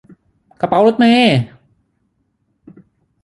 กระเป๋ารถเมล์